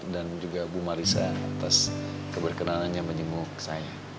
dan juga bu marissa atas keberkenanannya menjemput saya